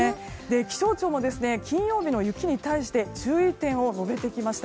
気象庁も金曜日の雪に対し注意点を述べてきました。